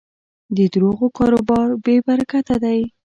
د دروغو کاروبار بېبرکته دی.